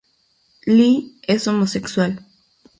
Lee es homosexual.